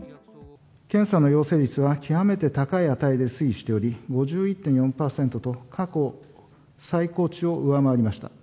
検査の陽性率が極めて高い値で推移しており、５１．４％と、過去最高値を上回りました。